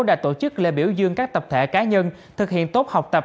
đã tổ chức lễ biểu dương các tập thể cá nhân thực hiện tốt học tập